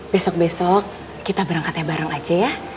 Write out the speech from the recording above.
besok besok kita berangkatnya bareng aja ya